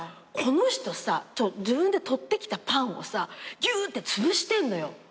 この人さ自分で取ってきたパンをさぎゅーってつぶしてんのよ。